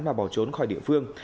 mà bỏ trốn khỏi địa phương